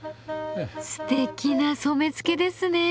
すてきな染付ですね。